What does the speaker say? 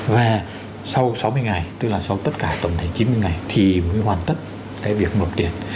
và sau sáu mươi ngày tức là sau tất cả tổng thể chín mươi ngày thì mới hoàn tất cái việc nộp tiền